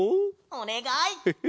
おねがい！